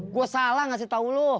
gue salah ngasih tau lo